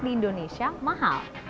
di indonesia mahal